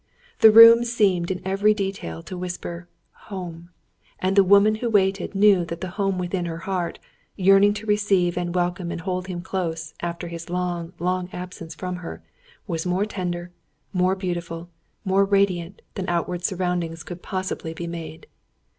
The room seemed in every detail to whisper, "Home"; and the woman who waited knew that the home within her heart, yearning to receive and welcome and hold him close, after his long, long absence from her, was more tender, more beautiful, more radiant, than outward surroundings could possibly be made.